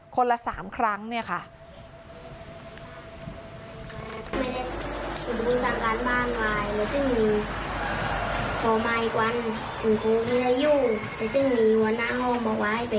คนละ๓ครั้งเนี่ยค่ะ